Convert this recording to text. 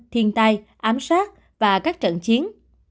thiên tai ám sát và các trận chiến